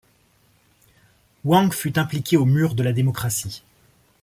Wang fut impliqué au Mur de la démocratie.